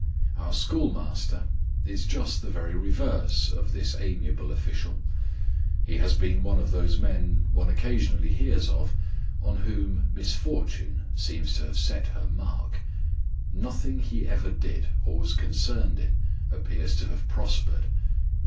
Our schoolmaster is just the very reverse of this amiable official. He has been one of those men one occasionally hears of, on whom misfortune seems to have set her mark ; nothing he ever did, or was concerned in, appears to have prospered.